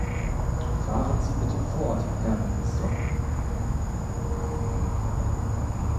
Fahren Sie bitte fort, Herr Minister.